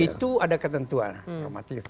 itu ada ketentuan kromatif